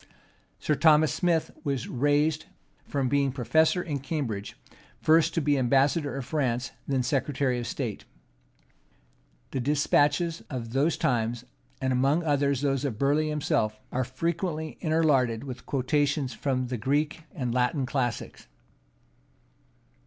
Sir Thomas Smith was raised from being professor in Cambridge, first to be ambassador to France, then secretary of state. The despatches of those times, and among others those of Burleigh himself, are frequently interlarded with quotations from the Greek and Latin classics.